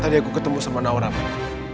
tadi aku ketemu sama naurama